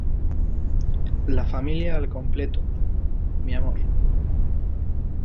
la familia al completo. mi amor